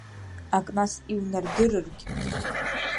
Ак нас, иунардырыргь…